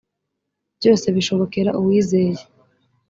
byose bishobokera uwizeye